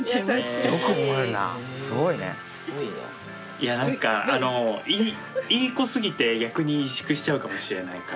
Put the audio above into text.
いや何かいい子すぎて逆に萎縮しちゃうかもしれないかな。